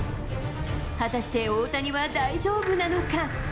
果たして大谷は大丈夫なのか。